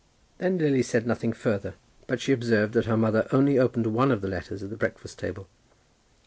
Then Lily said nothing further, but she observed that her mother only opened one of her letters at the breakfast table.